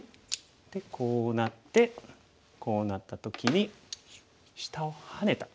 でこうなってこうなった時に下をハネた形です。